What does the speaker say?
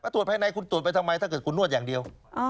ตรวจภายในคุณตรวจไปทำไมถ้าเกิดคุณนวดอย่างเดียว